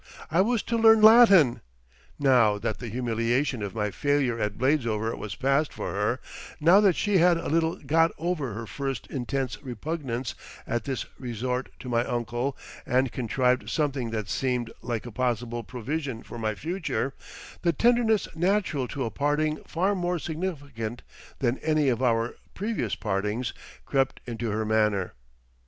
I was to learn Latin! Now that the humiliation of my failure at Bladesover was past for her, now that she had a little got over her first intense repugnance at this resort to my uncle and contrived something that seemed like a possible provision for my future, the tenderness natural to a parting far more significant than any of our previous partings crept into her manner.